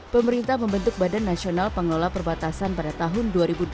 pemerintah membentuk badan nasional pengelola perbatasan pada tahun dua ribu dua puluh